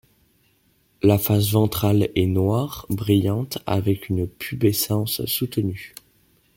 La face ventrale et noire, brillante, avec une pubescence soutenue.